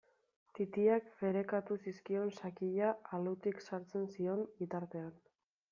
Titiak ferekatu zizkion sakila alutik sartzen zion bitartean.